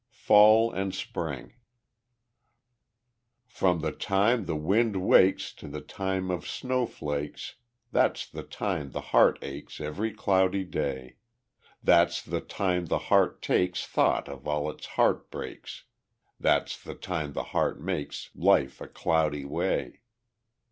Fall and Spring From the time the wind wakes To the time of snowflakes, That's the time the heart aches Every cloudy day; That's the time the heart takes Thought of all its heart breaks, That's the time the heart makes Life a cloudy way.